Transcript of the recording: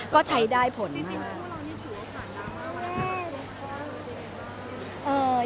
ก็ใช้ได้ผลมาก